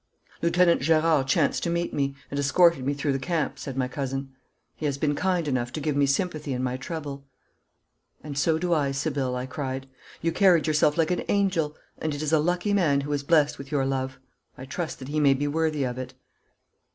'Lieutenant Gerard chanced to meet me, and escorted me through the camp,' said my cousin. 'He has been kind enough to give me sympathy in my trouble.' 'And so do I, Sibylle,' I cried; 'you carried yourself like an angel, and it is a lucky man who is blessed with your love. I trust that he may be worthy of it.'